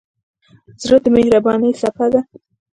زړه د مهربانۍ څپه ده.